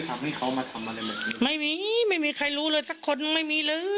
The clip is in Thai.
ทำให้เขามาทำอะไรแบบนี้ไม่มีไม่มีใครรู้เลยสักคนไม่มีเลย